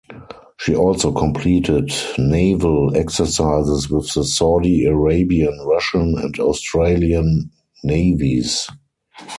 She also completed naval exercises with the Saudi Arabian, Russian, and Australian navies.